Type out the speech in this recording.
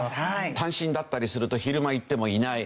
単身だったりすると昼間行ってもいない。